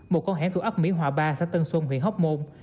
một con hẻm thuộc ấp mỹ hòa ba xã tân xuân huyện hóc môn